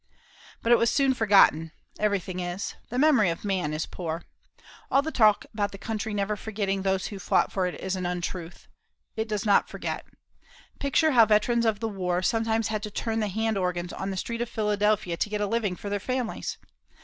But it was soon forgotten everything is. The memory of man is poor. All the talk about the country never forgetting those who fought for it is an untruth. It does forget. Picture how veterans of the war sometimes had to turn the hand organs on the streets of Philadelphia to get a living for their families!